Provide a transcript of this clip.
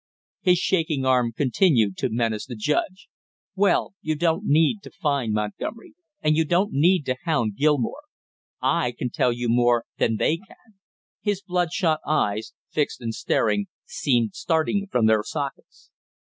His shaking arm continued to menace the judge. "Well, you don't need to find Montgomery, and you don't need to hound Gilmore; I can tell you more than they can " His bloodshot eyes, fixed and staring, seemed starting from their sockets.